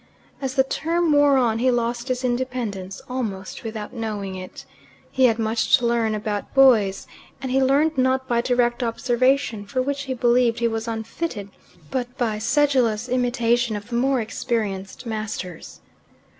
As the term wore on he lost his independence almost without knowing it. He had much to learn about boys, and he learnt not by direct observation for which he believed he was unfitted but by sedulous imitation of the more experienced masters.